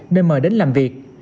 nên mời đến làm việc